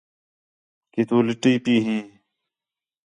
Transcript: کہ تو لٹی پٹی ہیں